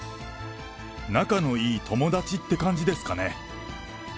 仲のいい友達って感じですかね。